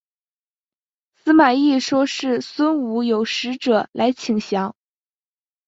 司马懿说是孙吴有使者来请降。